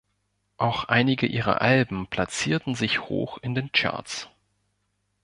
Auch einige ihrer Alben platzierten sich hoch in den Charts.